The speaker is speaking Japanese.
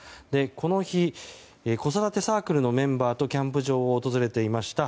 この日子育てサークルのメンバーとキャンプ場を訪れていました